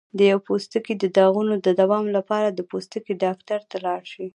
د پوستکي د دانو د دوام لپاره د پوستکي ډاکټر ته لاړ شئ